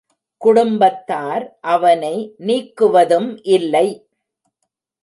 குடும்பத்தார் அவனை நீக்குவதும் இல்லை.